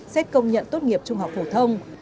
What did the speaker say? xét công nhận tốt nghiệp trung học phổ thông